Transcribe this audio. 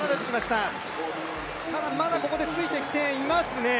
ただ、まだここでついてきていますね。